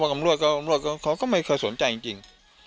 น้องโรจก็ไม่เคยสนใจจริง